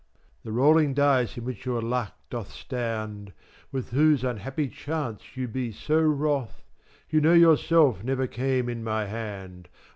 3 The rolling dice in which your luck doth stand, With whose unhappy chance you be so wroth, You know yourself came never in my hand.